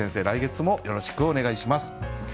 来月もよろしくお願いします。